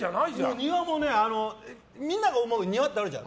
庭も、みんなが思う庭ってあるじゃん。